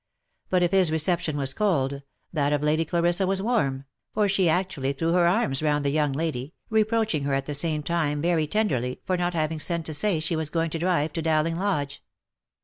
But if his reception was cold, that of Lady Clarissa was warm, for she actually threw her arms round the young lady, reproaching her at the same time very tenderly for not having sent to say she was going to drive to Dowling Lodge.